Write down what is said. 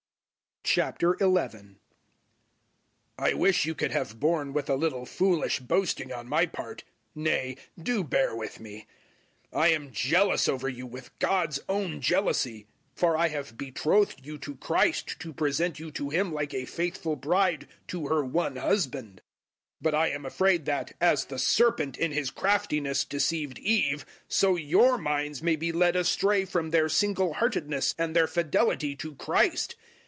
011:001 I wish you could have borne with a little foolish boasting on my part. Nay, do bear with me. 011:002 I am jealous over you with God's own jealousy. For I have betrothed you to Christ to present you to Him like a faithful bride to her one husband. 011:003 But I am afraid that, as the serpent in his craftiness deceived Eve, so your minds may be led astray from their single heartedness and their fidelity to Christ.